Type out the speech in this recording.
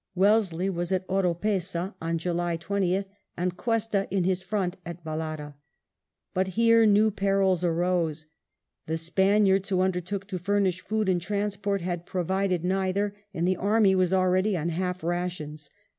Wellesley was at Oropeza on July 20th, and Cuesta in his front at Vellada. But here new perils arose. The Spaniards, who undertook to furnish food and transport, had provided neither, and the army was already on half rations.